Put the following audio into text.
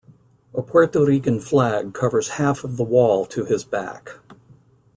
A Puerto Rican flag covers half of the wall to his back.